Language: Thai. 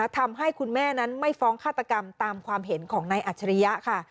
ทำให้คุณแม่นั้นไม่ฟ้องฆาตกรรมตามความเห็นของนายอัจฉริยะค่ะ